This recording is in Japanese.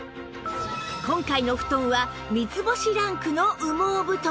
今回の布団は３つ星ランクの羽毛布団